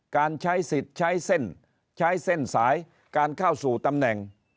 การใช้สิทธิ์ใช้เส้นใช้เส้นสายการเข้าสู่ตำแหน่ง